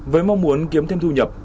với mong muốn kiếm thêm thu nhập